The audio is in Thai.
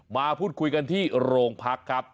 มาพูดคุยกันที่โรงพักครับ